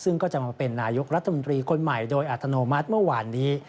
ซึ่งก็จะมาเป็นนายกรัฐมนตรีคนใหม่โดยอัตโนมัติเมื่อวานนี้